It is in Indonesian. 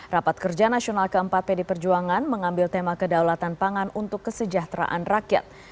rapat kerja nasional ke empat pdi perjuangan mengambil tema kedaulatan pangan untuk kesejahteraan rakyat